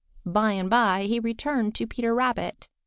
By and by he returned to Peter Rabbit.